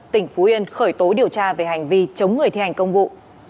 tỉnh phú yên khởi tố điều tra về hành vi chống người thi hành công vụ